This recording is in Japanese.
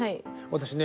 私ね